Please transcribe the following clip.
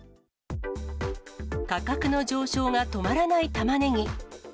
価格の上昇が止まらないたまねぎ。